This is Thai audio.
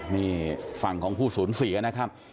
นี่ฝั่งของผู้ศูนย์ศรีนะครับ